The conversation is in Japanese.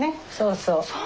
そうそう。